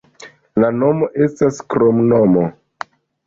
La nomo estas kromnomo.